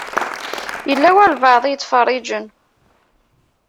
Yella walebɛaḍ i yettfeṛṛiǧen.